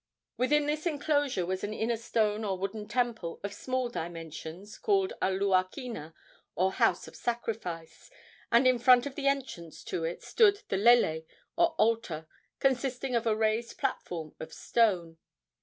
Within this enclosure was an inner stone or wooden temple of small dimensions, called the luakina, or house of sacrifice, and in front of the entrance to it stood the lele, or altar, consisting of a raised platform of stone.